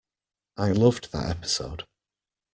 I loved that episode!